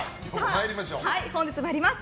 本日もあります。